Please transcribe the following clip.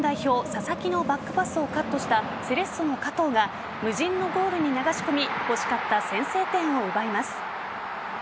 佐々木のバックパスをカットしたセレッソの加藤が無人のゴールに流し込み欲しかった先制点を奪います。